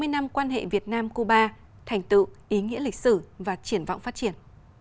sáu mươi năm quan hệ việt nam cuba thành tựu ý nghĩa lịch sử và triển vọng phát triển